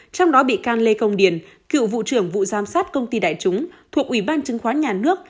trong đó bị can lê công điền cựu vụ trưởng vụ giám sát công ty đại chúng thuộc ủy ban chứng khoán nhà nước